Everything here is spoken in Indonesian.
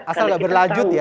asal berlanjut ya